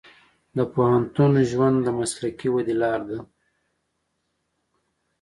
د پوهنتون ژوند د مسلکي ودې لار ده.